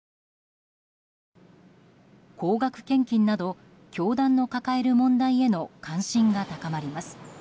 高額献金など、教団の抱える問題への関心が高まります。